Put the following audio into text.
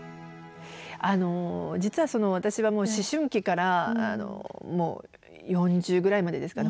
あの実は私は思春期から４０ぐらいまでですかね